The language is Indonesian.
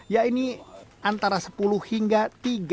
yakni antara sepuluh hingga tiga perang